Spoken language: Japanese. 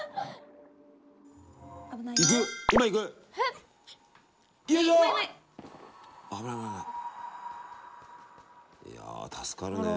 いや助かるね。